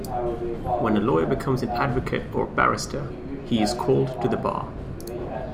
When a lawyer becomes an advocate or barrister, he is "called to the bar".